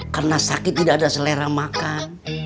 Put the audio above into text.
karena sakit tidak ada selera makan